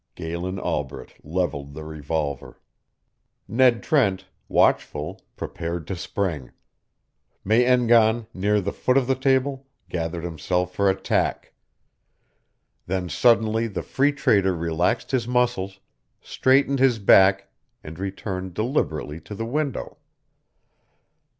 Galen Albret levelled the revolver. Ned Trent, watchful, prepared to spring. Me en gan, near the foot of the table, gathered himself for attack. Then suddenly the Free Trader relaxed his muscles, straightened his back, and returned deliberately to the window.